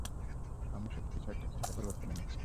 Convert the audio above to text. আমি শুধু কিছুটা পরিবর্তন এনেছি।